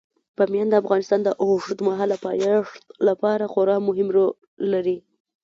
بامیان د افغانستان د اوږدمهاله پایښت لپاره خورا مهم رول لري.